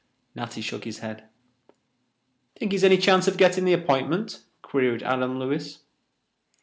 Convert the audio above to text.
Natty shook his head. "Think he's any chance of getting the app'intment?" queried Adam Lewis.